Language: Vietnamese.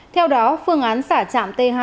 theo đó phương án xả trạm t hai